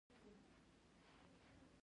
په خبریالانو کې خاموشه هم خبرې کوي.